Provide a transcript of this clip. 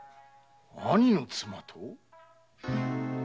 兄の妻と？